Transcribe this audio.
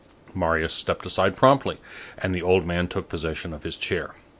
Marius stepped aside promptly, and the old man took possession of his chair.